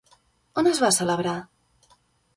On es va celebrar?